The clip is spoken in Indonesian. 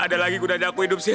ga ada lagi gunanya aku hidup sil